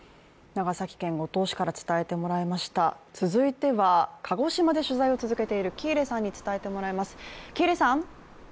続いては、鹿児島で取材を続けている喜入さんに伝えてもらいます。